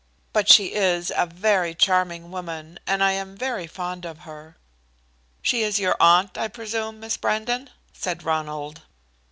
But she is a very charming woman, and I am very fond of her." "She is your aunt, I presume, Miss Brandon?" said Ronald.